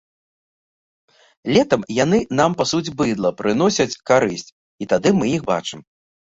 Летам яны нам пасуць быдла, прыносяць карысць, і тады мы іх бачым.